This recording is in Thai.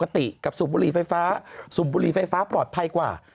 ปกติกับสูบบุหรี่ไฟฟ้าสูบบุหรี่ไฟฟ้าปลอดภัยกว่า